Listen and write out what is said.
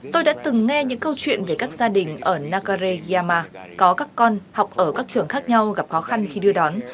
tôi đã từng nghe những câu chuyện về các gia đình ở nagareyama có các con học ở các trường khác nhau gặp khó khăn khi đưa đón